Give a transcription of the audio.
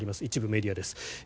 一部メディアです。